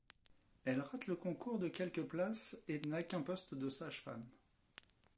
Elle rate le concours de quelques places et n’a qu’un poste de sage-femme.